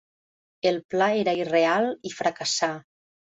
El pla era irreal i fracassà.